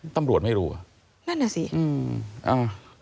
ตำรวจไม่รู้อ่ะนั่นน่ะสิอืมอ้าว